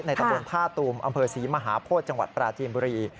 ตะบนท่าตูมอำเภอศรีมหาโพธิจังหวัดปราจีนบุรี